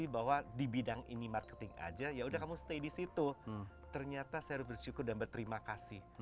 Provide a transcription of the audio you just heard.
bahwa di bidang ini marketing aja ya udah kamu stay di situ ternyata saya harus bersyukur dan berterima kasih